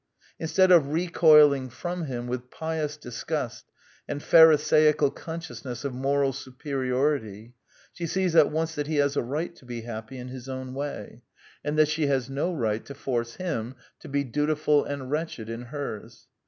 Instead of recoiling from him with pious disgust and Pharisaical consciousness of moral superi ority, she sees at once that he has a right to be happy in his own way, and that she has no right to force him to be dutiful and wretched in hers.